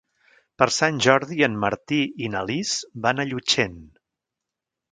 Per Sant Jordi en Martí i na Lis van a Llutxent.